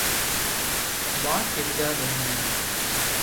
What என்றால் என்ன?